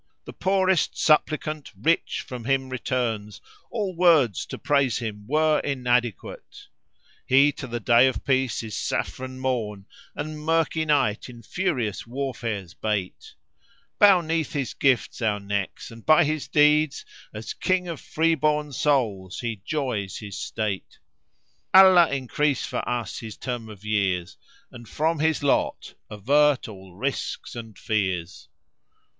The poorest suppliant rich from him returns, * All words to praise him were inadequate. He to the day of peace is saffron Morn, * And murky Night in furious warfare's bate. Bow 'neath his gifts our necks, and by his deeds * As King of freeborn [FN#494] souls he 'joys his state: Allah increase for us his term of years, * And from his lot avert all risks and fears!